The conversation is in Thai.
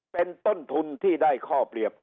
เป็นต้นทุนที่ได้ข้อเปรียบ